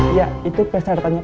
iya itu pesertanya pak